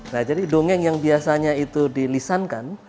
nah jadi dongeng yang biasanya itu dilisankan